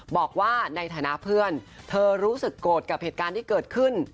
บอกว่าในฐานะเพื่อนเธอรู้สึกโกรธกับเหตุการณ์ที่เกิดขึ้น